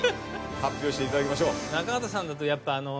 発表していただきましょう。